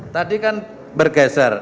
tadi kan bergeser